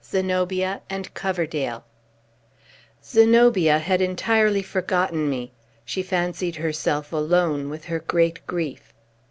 ZENOBIA AND COVERDALE Zenobia had entirely forgotten me. She fancied herself alone with her great grief.